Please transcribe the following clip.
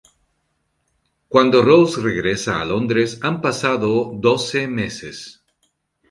Cuando Rose regresa a Londres, han pasado doce meses.